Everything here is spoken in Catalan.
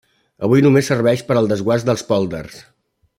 Avui només serveix per al desguàs dels pòlders.